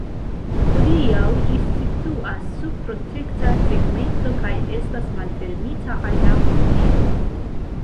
Hodiaŭ ĝi situas sub protekta tegmento kaj estas malfermita al la publiko.